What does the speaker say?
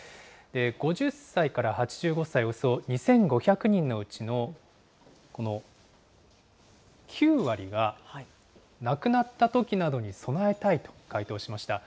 ５０歳から８５歳、およそ２５００人のうちの、この９割が、亡くなったときなどに備えたいと回答しました。